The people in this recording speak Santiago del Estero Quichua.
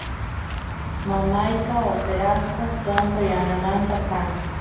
mamayqa operasqa sonqo yanamanta kan